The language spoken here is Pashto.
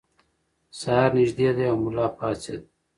سهار نږدې دی او ملا پاڅېد.